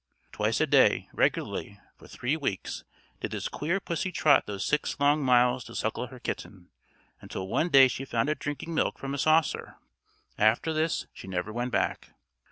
Twice a day regularly, for three weeks, did this queer pussy trot those six long miles to suckle her kitten, until one day she found it drinking milk from a saucer. After this she never went back.